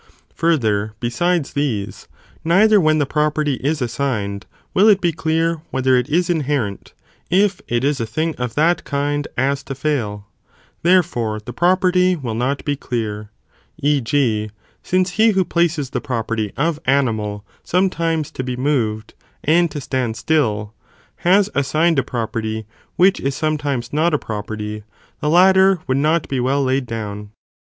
* Further, besides these, neither peculiarity will when the property is assigned, will it be clear τοῖος Με, whether it.is inherent, if it is a thing of that kind serted by Tay as to fail, therefore the property will not be clear ; "ἡ Bu™* e. g. since he who places the property of animal sometimes to be moved and to stand still, has assigned a property which is sometimes not a property, the latter would not be well laid down.